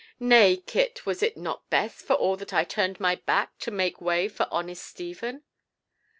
"Nay, Kit, was it not best for all that I turned my back to make way for honest Stephen?"